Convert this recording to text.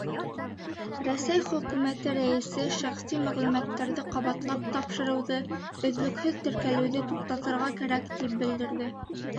Рәсәй Хөкүмәте Рәйесе, шәхси мәғлүмәттәрҙе ҡабатлап тапшырыуҙы, өҙлөкһөҙ теркәлеүҙе туҡтатырға кәрәк, тип белдерҙе.